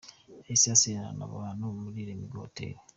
Yahise asezerera abantu bari muri Lemigo Hotel.